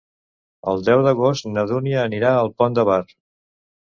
El deu d'agost na Dúnia anirà al Pont de Bar.